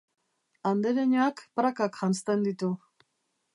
Andereñoak prakak janzten ditu.